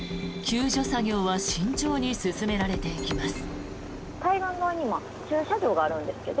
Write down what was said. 救助作業は慎重に進められていきます。